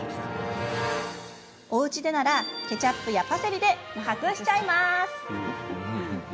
おうちでならケチャップやパセリで隠しちゃいます。